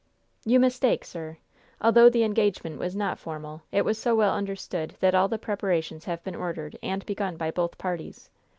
"You mistake, sir. Although the engagement was not formal, it was so well understood that all the preparations have been ordered and begun by both parties.